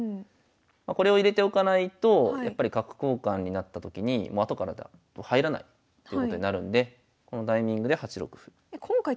これを入れておかないとやっぱり角交換になったときに後からだと入らないっていうことになるんでこのタイミングで８六歩。